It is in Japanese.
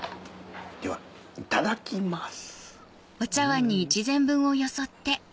ではいただきます。